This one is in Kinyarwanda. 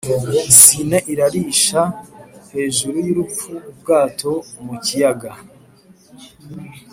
Sine irarisha hejuru y'urupfu-Ubwato mu kiyaga.